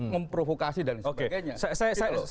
memprovokasi dan sebagainya